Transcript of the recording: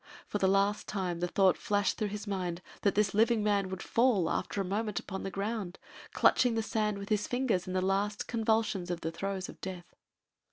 For the last time the thought flashed through his mind that this living man would fall after a moment upon the ground, clutching the sand with his fingers in the last convulsions of the throes of death.